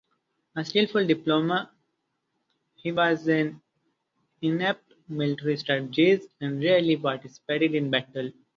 A skillful diplomat, he was an inept military strategist and rarely participated in battle.